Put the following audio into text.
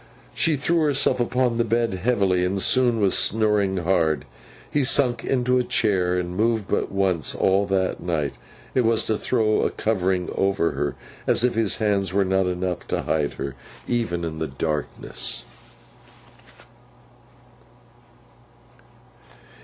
She threw herself upon the bed heavily, and soon was snoring hard. He sunk into a chair, and moved but once all that night. It was to throw a covering over her; as if his hands were not enough to hide her, even in the darkness.